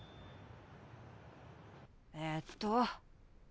えっと？